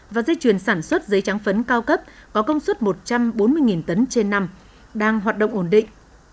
và dây chuyền sản xuất giấy trắng phấn cao cấp có công suất một trăm bốn mươi tấn trên năm đang hoạt động ổn định